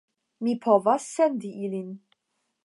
Mi povas sendi ilin.